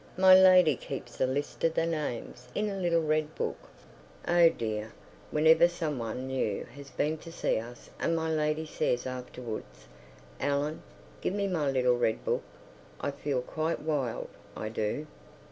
My lady keeps a list of the names in a little red book. Oh dear! whenever some one new has been to see us and my lady says afterwards, "Ellen, give me my little red book," I feel quite wild, I do.